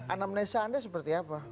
anamnesa anda seperti apa